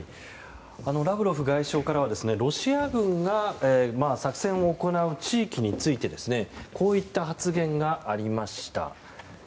ラブロフ外相からはロシア軍が作戦を行う地域についてこういった発言がありました。